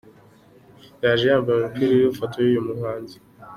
Yaje yambaye umupira uriho ifoto y'uyu muhanzi.